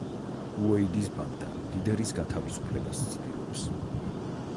უეიდის ბანდა ლიდერის გათავისუფლებას ცდილობს.